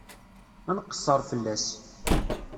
Ad nqeṣṣer fell-as.